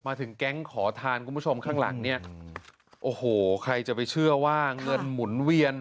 มาถึงแก๊งขอทานคุณผู้ชมข้างหลังใครจะไปเชื่อว่าเงินหมุนเวียน